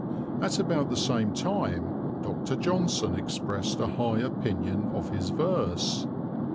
At about the same time Dr. Johnson expressed a high opinion of his verse.